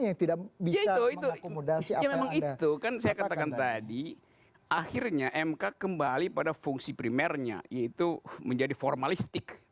yang tidak bisa itu saya katakan tadi akhirnya mk kembali pada fungsi primernya itu menjadi formalistik